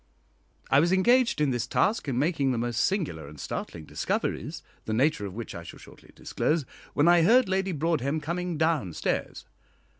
I was engaged in this task, and making the most singular and startling discoveries, the nature of which I shall shortly disclose, when I heard Lady Broadhem coming down stairs.